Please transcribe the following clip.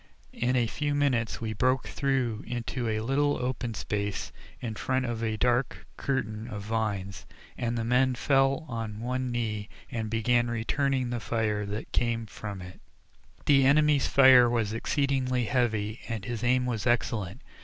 In a few minutes we broke through into a little open place in front of a dark curtain of vines, and the men fell on one knee and began returning the fire that came from it. The enemy's fire was exceedingly heavy, and his aim was excellent.